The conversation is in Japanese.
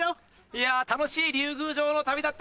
いや楽しい竜宮城の旅だったな。